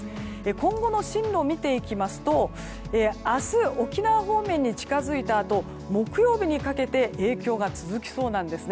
今後の進路を見ていきますと明日、沖縄方面に近づいたあと木曜日にかけて影響が続きそうなんです。